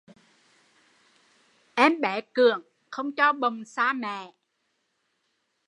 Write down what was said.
Em bé cưỡng, không cho bồng xa mẹ